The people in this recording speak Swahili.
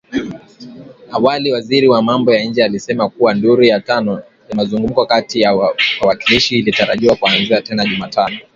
Awali waziri wa mambo ya nje alisema kuwa duru ya tano ya mazungumzo kati ya wawakilishi ilitarajiwa kuanza tena Jumatano